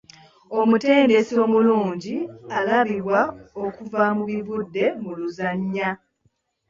Omutendesi omulungi alabibwa okuva mu bivudde mu luzannya.